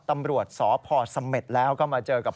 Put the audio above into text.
ตำรวจสพศแล้วก็มาเจอกับ